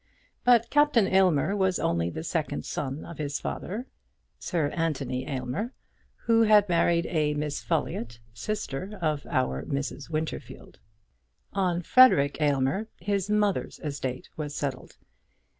But Captain Aylmer was only the second son of his father, Sir Anthony Aylmer, who had married a Miss Folliott, sister of our Mrs. Winterfield. On Frederic Aylmer his mother's estate was settled.